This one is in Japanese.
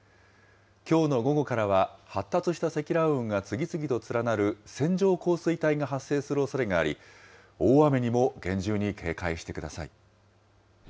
きょうの午後からは、発達した積乱雲が次々と連なる線状降水帯が発生するおそれがあり、大雨にも厳重に警戒してください。